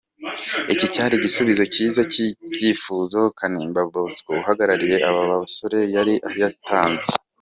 Iki cyari igisubizo cyiza cy’ibyifuzo Kanimba Bosco uhagarariye aba basore yari yatanze.